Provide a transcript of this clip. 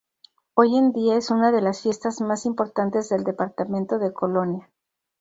Hoy en día es una de las fiestas más importantes del departamento de Colonia.